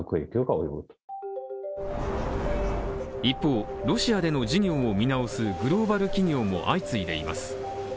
一方、ロシアでの事業を見直すグローバル企業も相次いでいます。